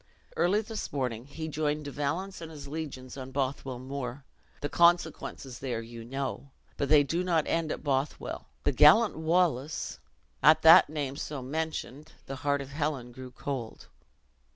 Early this morning he joined De Valence and his legions on Bothwell Moor. The consequences there you know. But they do not end at Bothwell. The gallant Wallace " At that name, so mentioned, the heart of Helen grew cold.